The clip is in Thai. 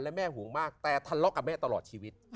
และแม่ห่วงมากแต่ทะเลาะกับแม่ตลอดชีวิต